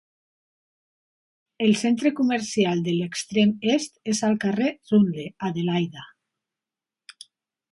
El centre comercial de l'extrem est és carrer Rundle, Adelaida.